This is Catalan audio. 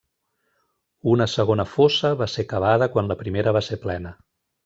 Una segona fossa va ser cavada quan la primera va ser plena.